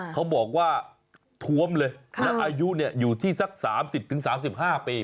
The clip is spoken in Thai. เขาบอกว่าท้วมเลยแล้วอายุอยู่ที่สัก๓๐๓๕ปี